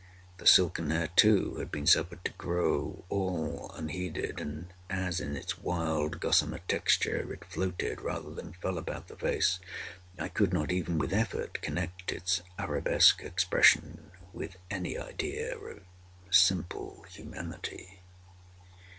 The silken hair, too, had been suffered to grow all unheeded, and as, in its wild gossamer texture, it floated rather than fell about the face, I could not, even with effort, connect its Arabesque expression with any idea of simple humanity.